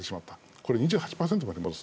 これ２８％まで戻す。